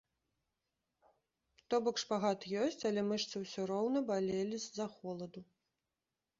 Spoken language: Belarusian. То бок, шпагат ёсць, але мышцы ўсё роўна балелі з-за холаду.